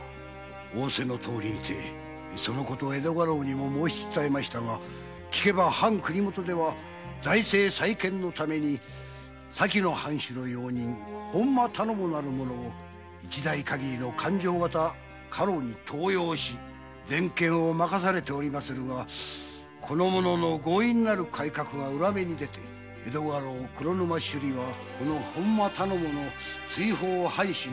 仰せのとおりにてそのこと江戸家老にも申し伝えましたが聞けば藩国元では財政再建のため前藩主の用人・本間頼母なる者を一代かぎりの勘定方家老に登用し全権を任せておりまするがこの者の強引な改革が裏目に出て江戸家老・黒沼修理はこの本間頼母の追放を藩主に願い出ておりまする。